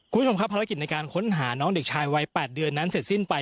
คุณผู้ชมครับภารกิจในการค้นหาน้องเด็กชายวัย๘เดือนนั้นเสร็จสิ้นไป